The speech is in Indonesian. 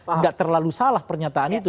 tidak terlalu salah pernyataan itu